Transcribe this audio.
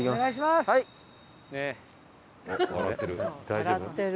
大丈夫？